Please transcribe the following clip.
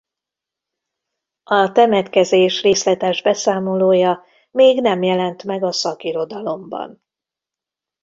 A temetkezés részletes beszámolója még nem jelent meg a szakirodalomban.